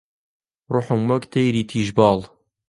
ڕووحم وەک تەیری تیژ باڵ